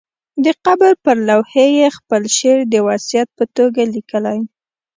د قبر پر لوحې یې خپل شعر د وصیت په توګه لیکلی.